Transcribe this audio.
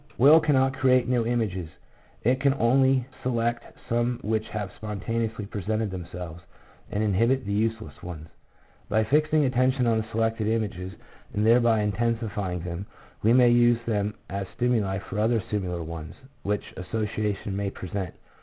Will cannot create new images; it can only select some which have spontaneously presented them selves, and inhibit the useless ones. By fixing atten tion on the selected images and thereby intensifying them, we may use them as stimuli for other similar ones, which association may present.